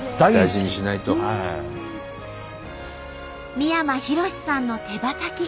三山ひろしさんの手羽先。